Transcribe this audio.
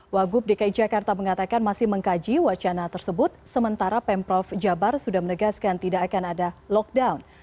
wagub dki jakarta mengatakan masih mengkaji wacana tersebut sementara pemprov jabar sudah menegaskan tidak akan ada lockdown